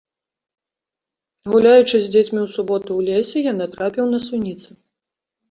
Гуляючы з дзецьмі ў суботу ў лесе, я натрапіў на суніцы.